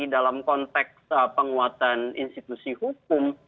dalam konteks penguatan institusi hukum